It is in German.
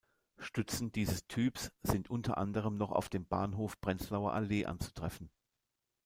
Stützen dieses Typs sind unter anderem noch auf dem Bahnhof Prenzlauer Allee anzutreffen.